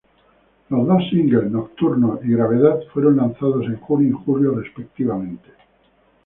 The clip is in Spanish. Los dos singles "Nocturne" y "Gravity", fueron lanzados en junio y julio, respectivamente.